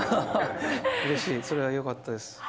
うれしい、それはよかったです。